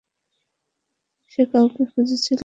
সে কাউকে খুঁজছিল।